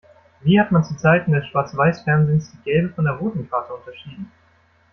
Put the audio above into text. Wie hat man zu Zeiten des Schwarzweißfernsehens die gelbe von der roten Karte unterschieden?